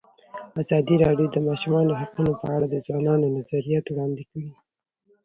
ازادي راډیو د د ماشومانو حقونه په اړه د ځوانانو نظریات وړاندې کړي.